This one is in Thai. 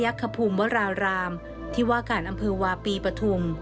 วัดพระยักษ์ขภูมิวารารามที่ว่ากาลอำเภอวาปีปฐุม